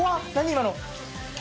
今の。